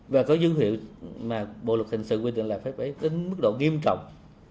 và có dương hiệu mà bộ luật hình sự quyết định là phải đến mức độ nghiêm trọng